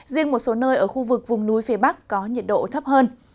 riêng một số nơi ở khu vực vùng núi phía bắc có nhiệt độ thấp hơn